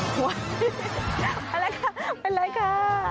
เป็นไรค่ะเป็นไรค่ะ